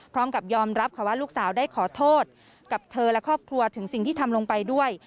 พร้อมกับยอมรับค่ะว่าลูกสาวได้ขอโทษกับเธอและครอบครัวถึงสิ่งที่ทำลงไปด้วย